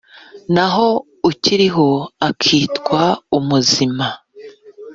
naho ukiriho akitwa umuzima